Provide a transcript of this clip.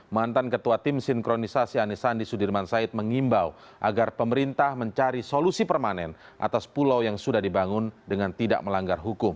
mantan ketua tim sinkronisasi anisandi sudirman said mengimbau agar pemerintah mencari solusi permanen atas pulau yang sudah dibangun dengan tidak melanggar hukum